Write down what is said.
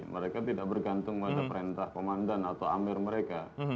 mereka tidak bergantung pada perintah komandan atau amir mereka